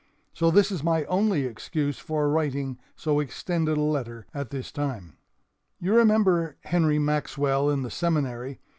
So this is my only excuse for writing so extended a letter at this time. "You remember Henry Maxwell in the Seminary.